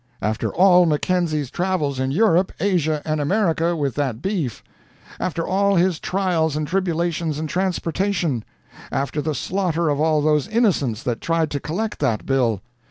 After all Mackenzie's travels in Europe, Asia, and America with that beef; after all his trials and tribulations and transportation; after the slaughter of all those innocents that tried to collect that bill!